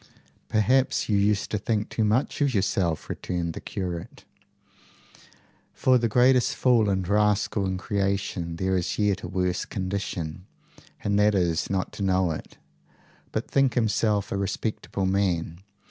"Perhaps you used to think too much of yourself," returned the curate. "For the greatest fool and rascal in creation there is yet a worse condition, and that is not to know it, but think himself a respectable man.